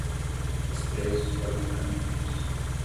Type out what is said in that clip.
Os presos foram encaminhados